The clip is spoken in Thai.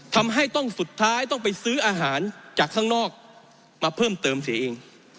ทำให้ต้องสุดท้ายต้องไปซื้ออาหารจากข้างนอกมาเพิ่มเติมเสียเอง